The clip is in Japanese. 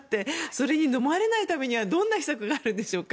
それに飲まれないためにはどんな秘策があるんでしょうか。